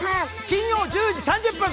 金曜１０時３０分。